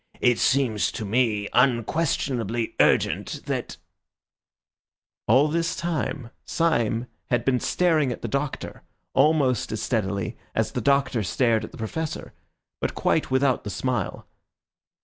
It seems to me unquestionably urgent that—" All this time Syme had been staring at the Doctor almost as steadily as the Doctor stared at the Professor, but quite without the smile.